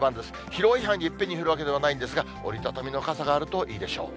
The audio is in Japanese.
広い範囲でいっぺんに降るわけではないんですが、折り畳みの傘があるといいでしょう。